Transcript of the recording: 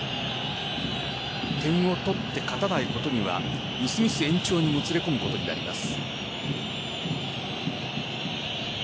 点を取って勝たないことにはみすみす延長にもつれ込むことになります。